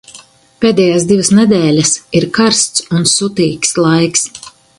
Pēdējās divas nedēļas ir karsts un sutīgs laiks.